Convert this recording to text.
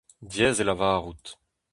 Diaes eo lavarout.